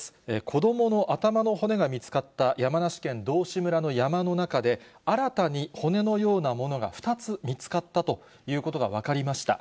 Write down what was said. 子どもの頭の骨が見つかった山梨県道志村の山の中で、新たに骨のようなものが２つ見つかったということが分かりました。